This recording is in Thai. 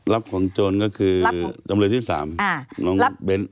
รับของโจรก็คือจำเลยที่๓น้องเบ้น